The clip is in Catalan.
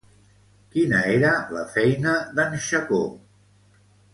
Quina era la feina d'en Xacó?